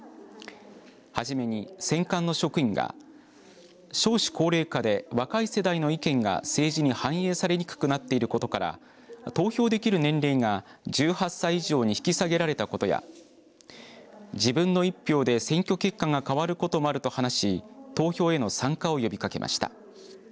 初めに選管の職員が少子高齢化で若い世代の意見が政治に反映されにくくなっていることから投票できる年齢が１８歳以上に引き下げられたことや自分の１票で選挙結果が変わることもあると話し投票への参加を呼びかけました。